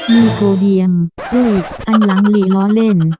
มีโกเดียมทูบอันหลังหลีล้อเล่น